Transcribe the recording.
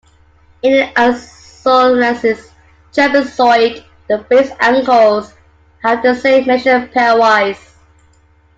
In an isosceles trapezoid the base angles have the same measure pairwise.